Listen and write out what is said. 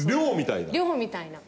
寮みたいな。